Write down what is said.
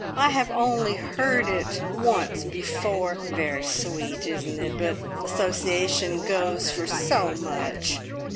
I have only heard it once before. Very sweet, isn't it, but association goes for so much!"